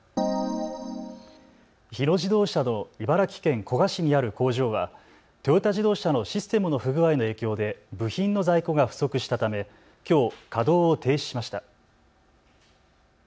日野自動車の茨城県古河市にある工場はトヨタ自動車のシステムの不具合の影響で部品の在庫が不足したためきょう稼働を停止しました。